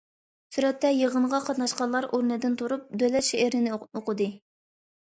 سۈرەتتە: يىغىنغا قاتناشقانلار ئورنىدىن تۇرۇپ، دۆلەت شېئىرىنى ئوقۇدى.